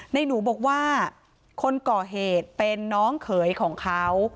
หนูบอกว่าคนก่อเหตุเป็นน้องเขยของเขา